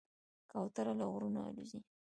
کوتره له غرونو الوزي.